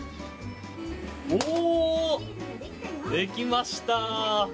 おー、できました！